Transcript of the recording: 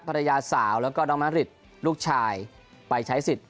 ภรรยาสาวแล้วก็น้องมะริดลูกชายไปใช้สิทธิ์